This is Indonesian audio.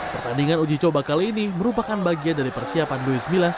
pertandingan uji coba kali ini merupakan bagian dari persiapan luis mila